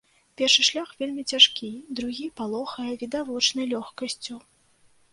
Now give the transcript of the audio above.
Першы шлях вельмі цяжкі, другі палохае відавочнай лёгкасцю.